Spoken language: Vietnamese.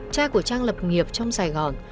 cha của trang lập nghiệp trong sài gòn